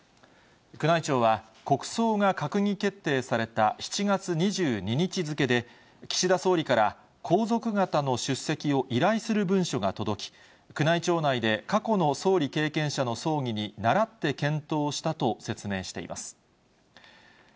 宮内庁は国葬が閣議決定された７月２２日付で、岸田総理から皇族方の出席を依頼する文書が届き、宮内庁内で過去の総理経験者の葬儀にならって検討したと説明しています。